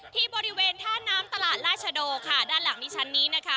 ที่บริเวณท่าน้ำตลาดราชโดค่ะด้านหลังดิฉันนี้นะคะ